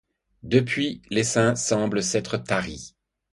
Depuis l'essaim semble s'être tari.